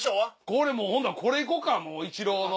これもうほんだらこれいこうかイチローの。